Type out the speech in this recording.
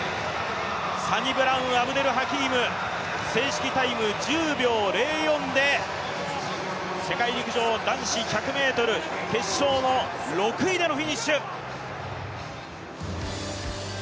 サニブラウン・アブデルハキーム、正式タイム１０秒０４で世界陸上男子１００ｍ、決勝の６位でのフィニッシュ。